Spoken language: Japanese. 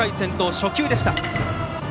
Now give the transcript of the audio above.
初球でした。